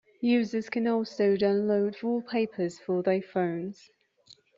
Users can also download wallpapers for their phones.